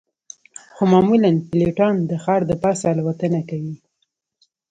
خو معمولاً پیلوټان د ښار د پاسه الوتنه کوي